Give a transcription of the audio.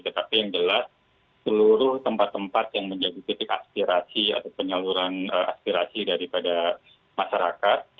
tetapi yang jelas seluruh tempat tempat yang menjadi titik aspirasi atau penyaluran aspirasi daripada masyarakat